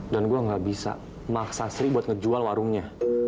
dan gue gak bisa maksa sri buat ngejual warungnya